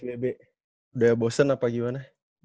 udah bosen apa gimana